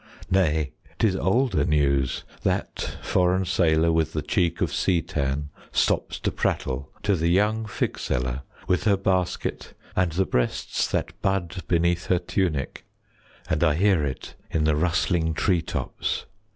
Nay, 'tis older news that foreign sailor With the cheek of sea tan stops to prattle To the young fig seller with her basket 15 And the breasts that bud beneath her tunic, And I hear it in the rustling tree tops.